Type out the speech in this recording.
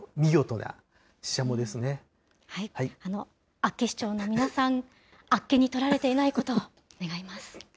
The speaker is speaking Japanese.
厚岸町の皆さん、あっけにとられていないことを願います。